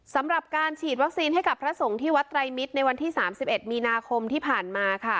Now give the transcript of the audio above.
สำหรับการฉีดวัคซีนให้กับพระสงฆ์ที่วัดไตรมิตรในวันที่๓๑มีนาคมที่ผ่านมาค่ะ